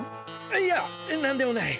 いやなんでもない。